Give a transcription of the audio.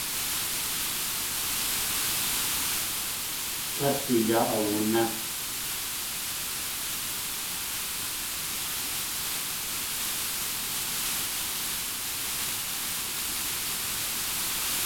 Tlél du yáa awooné.